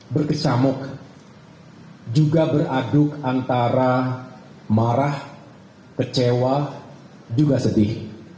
berkesamuk juga beraduk antara marah kecewa juga sedih